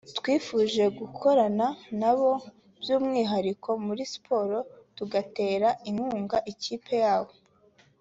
twifuje gukorana nabo by’umwihariko muri Siporo tugatera inkunga ikipe yabo”